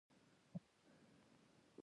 موږ باید پر خپلو ماشومانو زده کړه وکړو .